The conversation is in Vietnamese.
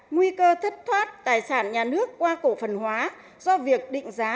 nguy cơ thất thoát tài sản nhà nước qua cổ phần hóa do việc định giá